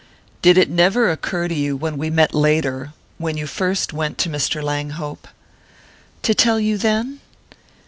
"Did it never occur to you, when we met later when you first went to Mr. Langhope "? "To tell you then?